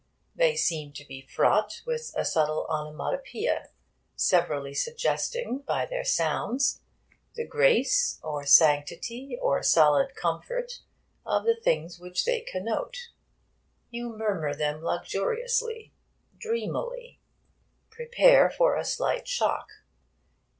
They seem to be fraught with a subtle onomatopoeia, severally suggesting by their sounds the grace or sanctity or solid comfort of the things which they connote. You murmur them luxuriously, dreamily. Prepare for a slight shock.